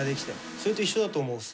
それと一緒だと思うんっす。